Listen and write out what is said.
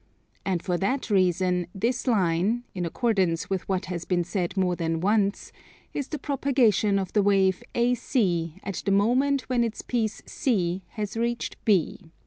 And for that reason this line, in accordance with what has been said more than once, is the propagation of the wave AC at the moment when its piece C has reached B.